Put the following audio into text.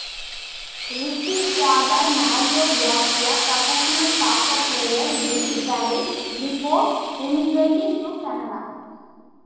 Ricci's father Mario was a professional soccer player in Italy before emigrating to Canada.